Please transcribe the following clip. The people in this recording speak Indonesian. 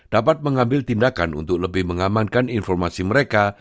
dapat mengambil tindakan untuk lebih mengamankan informasi mereka